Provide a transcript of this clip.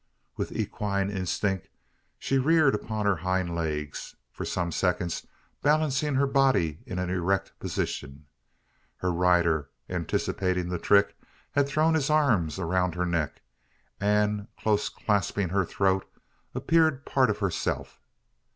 With equine instinct, she reared upon her hind legs, for some seconds balancing her body in an erect position. Her rider, anticipating the trick, had thrown his arms around her neck; and, close clasping her throat, appeared part of herself.